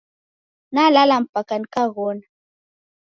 Nalala mpaka nikaghona.